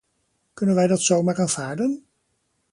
Kunnen wij dat zomaar aanvaarden?